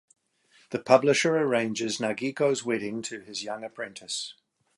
The publisher arranges Nagiko's wedding to his young apprentice.